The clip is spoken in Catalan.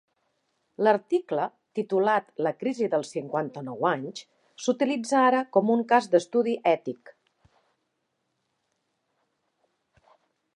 L'article, titulat "La crisi dels cinquanta-nou anys", s'utilitza ara com un cas d'estudi ètic.